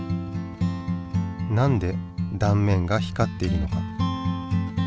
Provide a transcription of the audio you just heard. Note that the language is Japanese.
なんで断面が光っているのか？